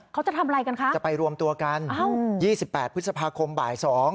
เขาจะทำอะไรกันคะจะไปรวมตัวกัน๒๘พฤษภาคมบ่าย๒